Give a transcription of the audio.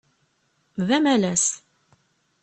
D amalas.